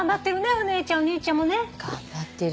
お姉ちゃんお兄ちゃんもね。頑張ってる。